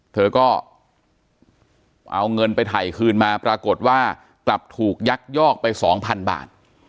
เธอก็เอาเงินไปถ่ายคืนมาปรากฏว่ากลับถูกยักยอกไปสองพันบาท